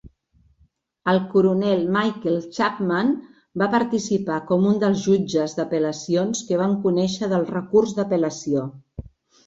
El coronel Michael Chapman va participar com un dels jutges d'apel·lacions que van conèixer del recurs d'apel·lació.